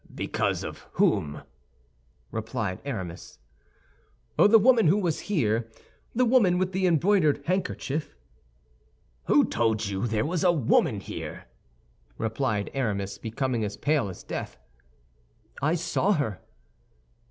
"Become of whom?" replied Aramis. "The woman who was here—the woman with the embroidered handkerchief." "Who told you there was a woman here?" replied Aramis, becoming as pale as death. "I saw her."